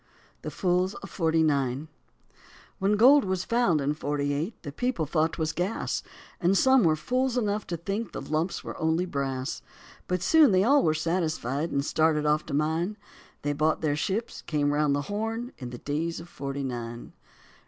THE FOOLS OF FORTY NINE When gold was found in forty eight the people thought 'twas gas, And some were fools enough to think the lumps were only brass. But soon they all were satisfied and started off to mine; They bought their ships, came round the Horn, in the days of forty nine.